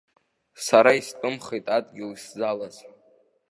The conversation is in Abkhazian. Сара истәымхеит адгьыл исзалаз.